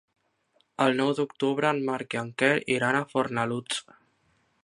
El nou d'octubre en Marc i en Quer iran a Fornalutx.